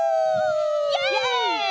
イエイ！